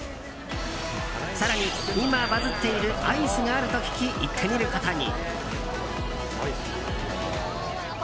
更に今、バズっているアイスがあると聞き、行ってみることに。